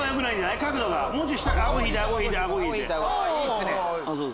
いいっすね。